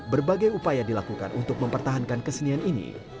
berbagai upaya dilakukan untuk mempertahankan kesenian ini